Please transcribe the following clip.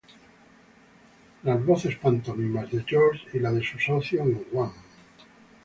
Las voces pantomimas de George y la de su socio en Wham!